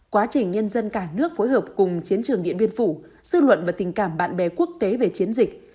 quá trình nhân dân cả nước phối hợp cùng chiến trường điện biên phủ dư luận và tình cảm bạn bè quốc tế về chiến dịch